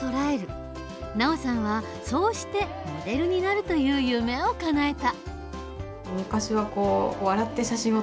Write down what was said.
ＮＡＯさんはそうしてモデルになるという夢をかなえた。